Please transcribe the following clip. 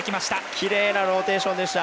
きれいなローテーションでした。